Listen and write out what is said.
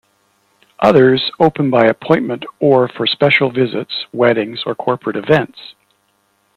Others open by appointment or for special visits, weddings or corporate events.